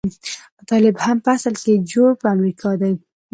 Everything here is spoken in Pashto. طالب هم په اصل کې جوړ په امريکا دی.